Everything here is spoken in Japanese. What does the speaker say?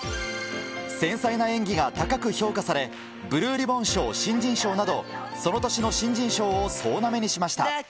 繊細な演技が高く評価され、ブルーリボン賞新人賞など、その年の新人賞を総なめにしました。